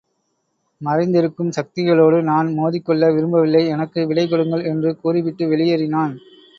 மறைந்திருக்கும் சக்திகளோடு நான் மோதிக்கொள்ள விரும்பவில்லை எனக்கு விடை கொடுங்கள் என்று கூறிவிட்டு வெளியேறினான்.